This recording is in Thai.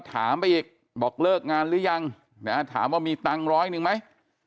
ถามไปอีกบอกเลิกงานหรือยังถามว่ามีตังค์ร้อยหนึ่งไหม